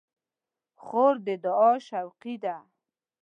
خور د دعا شوقي ده.